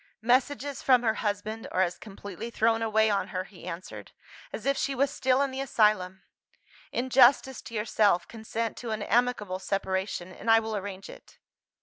"Messages from her husband are as completely thrown away on her," he answered, "as if she was still in the asylum. In justice to yourself, consent to an amicable separation, and I will arrange it."